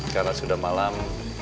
karena sudah malam